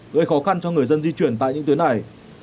gây khó khăn cho người dân di chuyển tại những tuyến này